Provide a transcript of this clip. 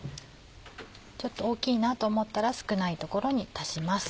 ちょっと大きいなと思ったら少ない所に足します。